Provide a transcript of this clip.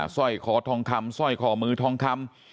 สร้อยคอทองคำสร้อยคอมือทองคำ